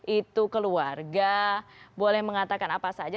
itu keluarga boleh mengatakan apa saja